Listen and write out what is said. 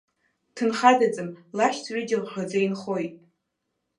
Дҭынхадаӡам, лашьцәа ҩыџьа ӷӷаӡа инхоит.